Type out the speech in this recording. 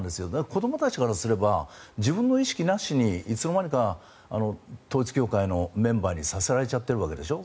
子どもたちからすれば自分の意識なしにいつのまにか統一教会のメンバーにさせられちゃっているわけでしょ。